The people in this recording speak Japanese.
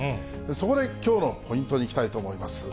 そこできょうのポイントにいきたいと思います。